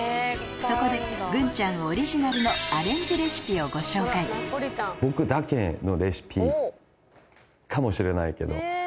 そこでグンちゃんオリジナルのアレンジレシピをご紹介かもしれないけど。